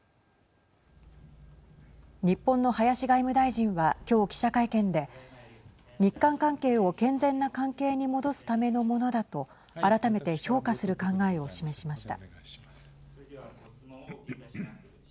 日本の林外務大臣は今日、記者会見で日韓関係を健全な関係に戻すためのものだと改めて評価する考えを示しました。